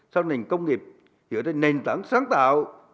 sang nền công nghiệp dựa đến nền tảng sáng tạo